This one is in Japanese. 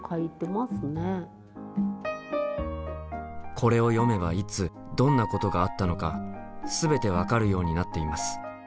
これを読めばいつどんなことがあったのか全て分かるようになっています。